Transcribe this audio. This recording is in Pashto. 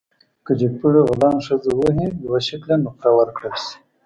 که جګپوړي غلام ښځه ووهي، دوه شِکِله نقره ورکړل شي.